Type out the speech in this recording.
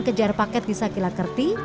kejar paket di sakila kerti